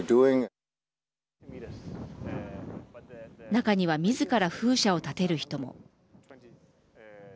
中にはみずから風車を建てる人も。